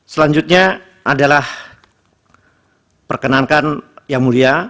selanjutnya adalah perkenankan yang mulia